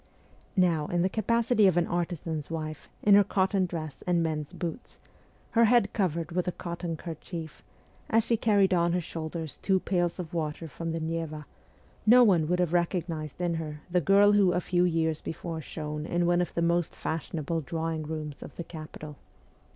Now, in the capacity of an artisan's wife, in her cotton dress and men's boots, her head covered with a cotton kerchief, as she carried on her shoulders her two pails of water from the Neva, no one would have recognized in her the girl who a few years before shone in one of the most fashionable drawing rooms of the capital.